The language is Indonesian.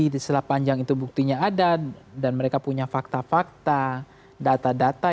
di setelah panjang itu buktinya ada dan mereka punya fakta fakta data data